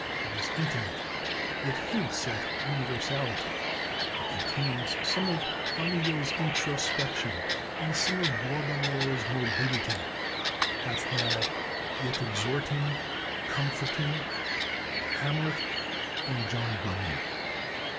It is intimate, yet hints at universality; it contains some of Amiel's introspection and some of Baudelaire's morbidity half mad, yet exhorting, comforting; Hamlet and John Bunyan."